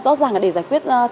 rõ ràng là để giải quyết